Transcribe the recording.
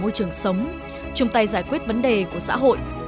môi trường sống chung tay giải quyết vấn đề của xã hội